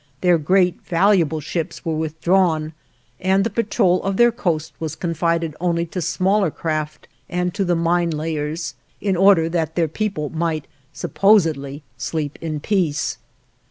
Their great, valuable ships were withdrawn, and the patrol of their coast was confided only to smaller craft and to the mine layers, in order that their people might supposedly sleep in peace.